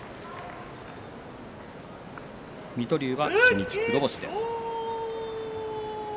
水戸龍は初日、黒星です。